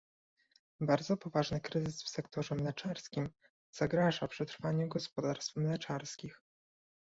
Bardzo poważny kryzys w sektorze mleczarskim zagraża przetrwaniu gospodarstw mleczarskich